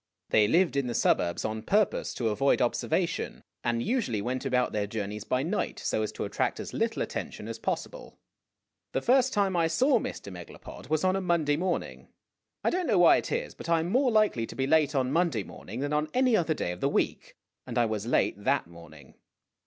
They lived in the suburbs on purpose to avoid observation, and usually went about their journeys by night so as to attract as little attention as possible. The first time I saw Mr. Megalopod was on a Monday morning. I don't know why it is, but I am more likely to be late on Monday morning than on any other day of the week, and I was late that morning.